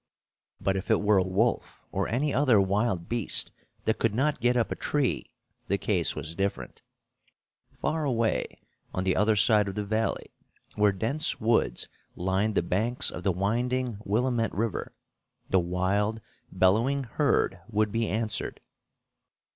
But if it were a wolf or any other wild beast that could not get up a tree, the case was different. Far away, on the other side of the valley, where dense woods lined the banks of the winding Willamette river, the wild, bellowing herd would be answered.